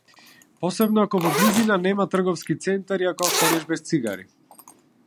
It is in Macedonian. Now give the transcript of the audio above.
Посебно ако во близина нема трговски центар и ако останеш без цигари.